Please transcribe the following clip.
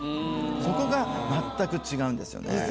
そこが全く違うんですよね。